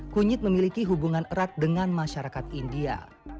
kunyit memiliki hubungan erat dengan masyarakat india